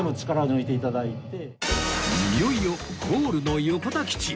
いよいよゴールの横田基地